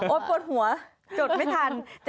โอ๊ดปวดหัวจดไม่ทัน